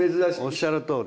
おっしゃるとおり。